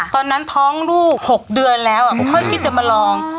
ตอนนั้นท้องลูก๖เดือนแล้วค่อยคิดจะมาลอง